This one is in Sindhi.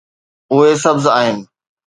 اهي سبز آهن